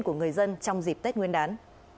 của người dân trong dịp tết nguyên đán